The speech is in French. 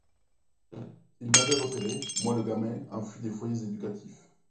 Il m’avait repéré, moi le gamin enfui des foyers éducatifs.